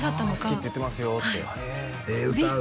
「好きって言ってますよ」ってはいええ